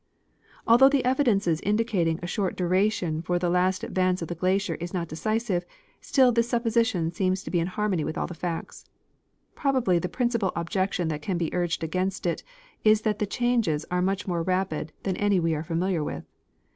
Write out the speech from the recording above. Although the evidences indicating a short duration for the last advance of the glacier is not decisive, still this supposition seems to be in harmony with all the facts. Probably the principal objection that can be urged against it is that the changes are much more rapid than any we are familiar with.